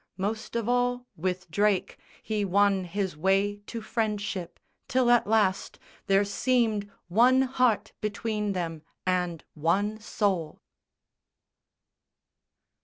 Most of all with Drake He won his way to friendship, till at last There seemed one heart between them and one soul.